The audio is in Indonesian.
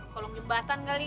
kalau ngejembatan kali